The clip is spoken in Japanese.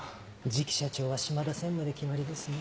次期社長は島田専務で決まりですね。